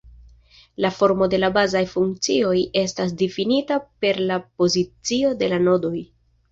La formo de la bazaj funkcioj estas difinita per la pozicio de la nodoj.